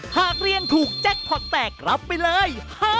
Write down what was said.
หากเรียนถูกแจ็คพอร์ตแตกรับไปเลย